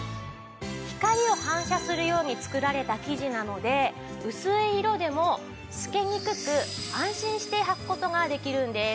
光を反射するように作られた生地なので薄い色でも透けにくく安心してはく事ができるんです。